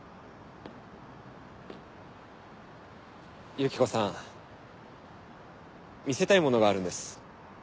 ユキコさん見せたいものがあるんです。